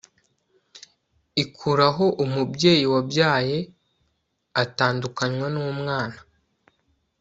ikuraho umubyeyi wabyaye atandukanywa n' umwana